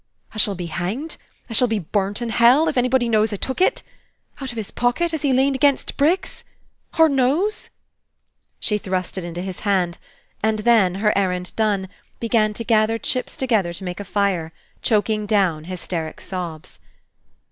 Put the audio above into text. I shall be hanged, I shall be burnt in hell, if anybody knows I took it! Out of his pocket, as he leaned against t' bricks. Hur knows?" She thrust it into his hand, and then, her errand done, began to gather chips together to make a fire, choking down hysteric sobs.